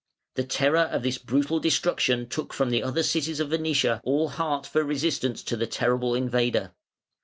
The terror of this brutal destruction took from the other cities of Venetia all heart for resistance to the terrible invader.